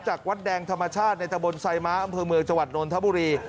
วัดแดงธรรมชาติในตะบนไซม้าอำเภอเมืองจังหวัดนนทบุรี